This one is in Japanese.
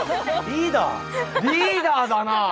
リーダーだな！